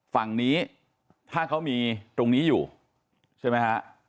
ฝั่งนี้ถ้าเขามีตรงนี้อยู่ใช่ไหมฮะ